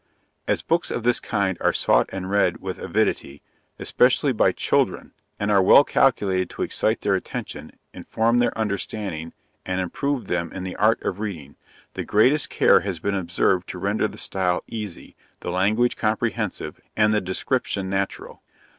As books of this kind are sought and read with avidity, especially by children, and are well calculated to excite their attention, inform their understanding, and improve them in the art of reading, the greatest care has been observed to render the style easy, the language comprehensive, and the description natural.